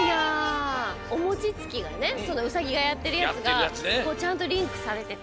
おもちつきがねそのうさぎがやってるやつがちゃんとリンクされてて。